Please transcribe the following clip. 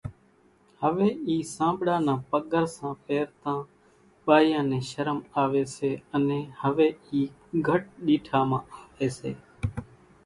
هويَ اِي سانٻڙا نان پڳرسان پيرتان ٻايان نين شرم آويَ سي انين هويَ اِي گھٽ ڏيٺا مان آويَ سي۔